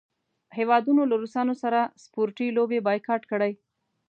هیوادونو له روسانو سره سپورټي لوبې بایکاټ کړې.